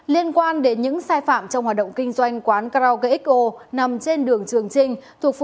liên quan đến những sai phạm trong hoạt động kinh doanh quán karaoke xo nằm trên đường trường trinh